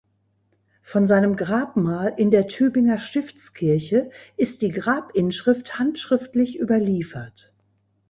Von seinem Grabmal in der Tübinger Stiftskirche ist die Grabinschrift handschriftlich überliefert.